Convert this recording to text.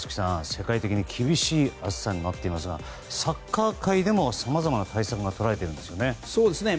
世界的に厳しい暑さになっていますが、サッカー界でもさまざまな対策がとられているんですよね。